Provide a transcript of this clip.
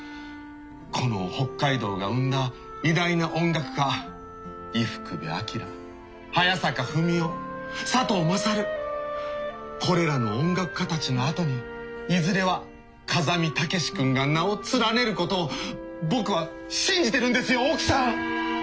この北海道が生んだ偉大な音楽家伊福部昭早坂文雄佐藤勝これらの音楽家たちのあとにいずれは風見武志君が名を連ねることを僕は信じてるんですよ奥さん！